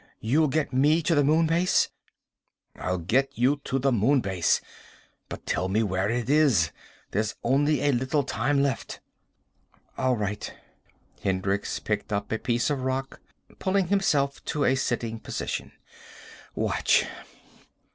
You'll get me to the Moon Base?" "I'll get you to the Moon Base. But tell me where it is! There's only a little time left." "All right." Hendricks picked up a piece of rock, pulling himself to a sitting position. "Watch."